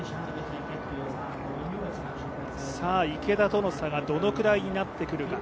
池田との差がどれくらいになってくるか。